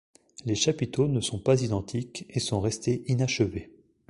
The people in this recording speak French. Les chapiteaux ne sont pas identiques et sont restés inachevés.